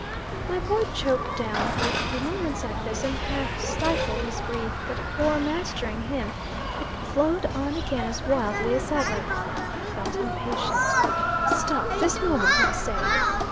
My boy choked down for a few moments at this, and half stifled his grief; but o'ermastering him, it flowed on again as wildly as ever. I felt impatient. "Stop this moment, I say!"